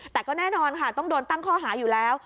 แต่ก็แน่นอนค่ะต้องโดนตั้งข้อหาอยู่แล้ว